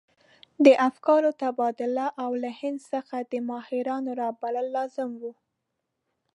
د افکارو تبادله او له هند څخه د ماهرانو رابلل لازم وو.